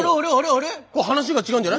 これ話が違うんじゃない？